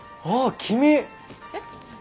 ああ君。